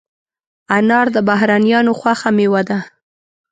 انار د بهرنیانو خوښه مېوه ده.